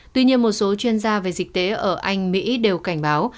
tuy nhiên một số chuyên gia về dịch tế ở anh mỹ đều cảnh báo